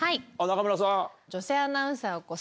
中村さん。